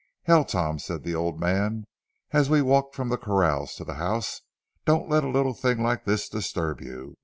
"Hell, Tom," said the old man, as we walked from the corrals to the house, "don't let a little thing like this disturb you.